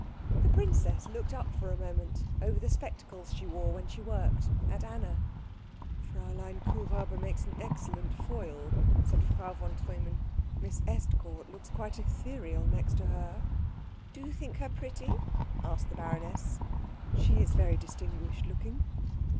The princess looked up for a moment over the spectacles she wore when she worked, at Anna. "Fräulein Kuhräuber makes an excellent foil," said Frau von Treumann. "Miss Estcourt looks quite ethereal next to her." "Do you think her pretty?" asked the baroness. "She is very distinguished looking."